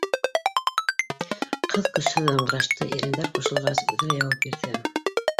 Ҡыҙ көсһөҙ ыңғырашты, ирендәр ҡушылғас, үҙе лә яуап бирҙе